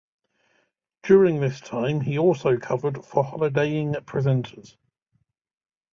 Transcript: During this time he also covered for holidaying presenters.